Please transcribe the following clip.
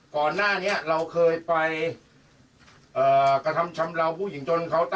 ก่อนหน้านี้เราเคยไปเอ่อกระทำชำลาวผู้หญิงจนเขาตั้งทัน